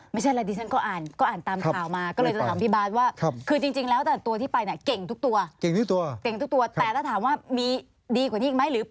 ไม่ใช่แล้วดิฉันก็อ่าน